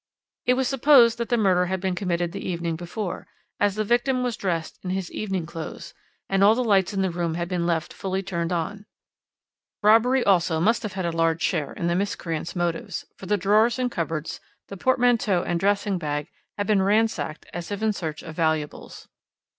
"It was supposed that the murder had been committed the evening before, as the victim was dressed in his evening clothes, and all the lights in the room had been left fully turned on. Robbery, also, must have had a large share in the miscreant's motives, for the drawers and cupboards, the portmanteau and dressing bag had been ransacked as if in search of valuables.